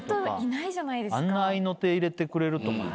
あんな合いの手入れてくれるとかね。